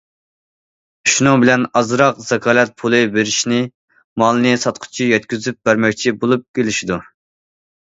شۇنىڭ بىلەن ئازراق زاكالەت پۇلى بېرىشنى، مالنى ساتقۇچى يەتكۈزۈپ بەرمەكچى بولۇپ كېلىشىدۇ.